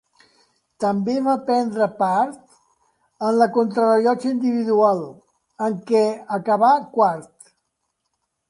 També va prendre part en la contrarellotge individual, en què acabà quart.